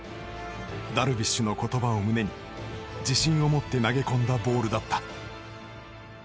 ダルビッシュの言葉を胸に自信を持って投げ込んだボールだった。